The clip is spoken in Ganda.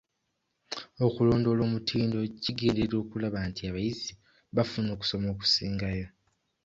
Okulondoola omutindo kigenderera okulaba nti abayizi bafuna okusoma okusingayo.